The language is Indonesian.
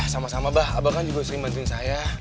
sama sama abah abah kan juga sering mandrin saya